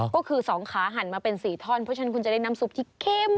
ก็คือ๒ขาหั่นมาเป็น๔ท่อนเพราะฉะนั้นคุณจะได้น้ำซุปที่เข้ม